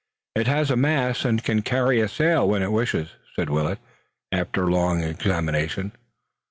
"It has a mast and can carry a sail when it wishes," said Willet, after a long examination.